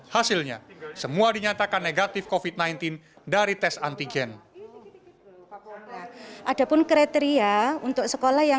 hasilnya semua dinyatakan negatif covid sembilan belas dari tes antigen